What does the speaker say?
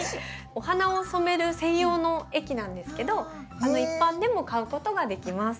お花を染める専用の液なんですけど一般でも買うことができます。